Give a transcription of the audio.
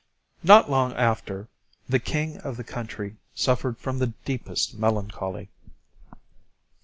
Not long after, the king of the country suffered from the deepest melancholy.